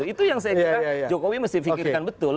itu yang saya kira jokowi mesti pikirkan betul